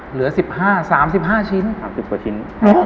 เหลือ๑๕๓๕ชิ้น๓๐กว่าชิ้น